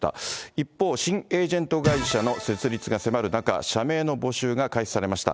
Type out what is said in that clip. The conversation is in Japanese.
一方、新エージェント会社の設立が迫る中、社名の募集が開始されました。